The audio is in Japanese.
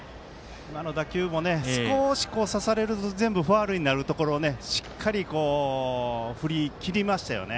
打球も少し刺される全部ファウルになるところをしっかり振り切りましたよね。